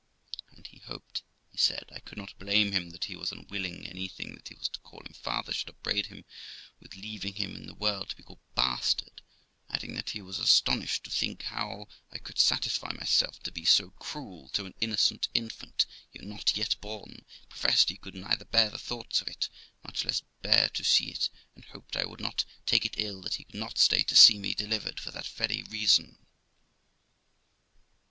And he hoped, he said, I could not blame him that he was unwilling anything that was to call him father should upbraid him with leaving him in the world to be called bastard; adding that he was astonished to think how I could satisfy myself to be so cruel to an innocent infant not yet born; professed he could neither bear the thoughts of it, much less bear to see it, and hoped I would not take it ill that he could not stay to see me delivered, for that very reason.